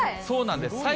そうなんです。